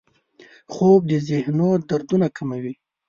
خوب د ذهنو دردونه کموي